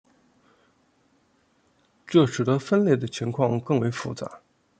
这使得分类的情况更为复杂。